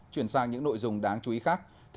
chuyển sang những nội dung đáng chú ý khác